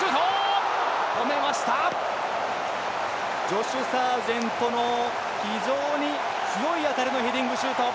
ジョシュ・サージェントの非常に強い当たりのヘディングシュート。